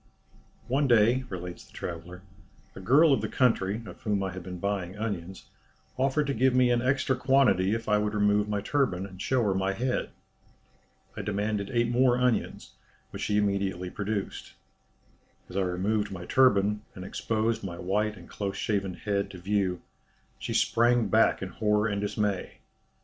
"One day," relates the traveller, "a girl of the country, of whom I had been buying onions, offered to give me an extra quantity if I would remove my turban, and show her my head. I demanded eight more onions, which she immediately produced. As I removed my turban, and exposed my white and close shaven head to view, she sprang back in horror and dismay.